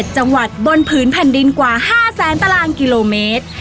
๗จังหวัดบนผืนแผ่นดินกว่า๕แสนตารางกิโลเมตร